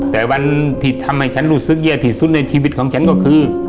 แต่วันที่ทำให้ฉันรู้สึกแย่ที่สุดในชีวิตของฉันก็คือ